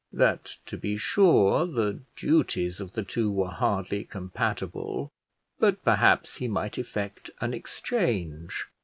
That, to be sure, the duties of the two were hardly compatible; but perhaps he might effect an exchange.